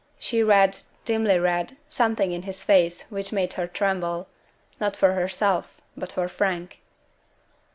She read, dimly read, something in his face which made her tremble not for herself, but for Frank.